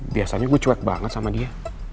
biasanya gue cuek banget sama dia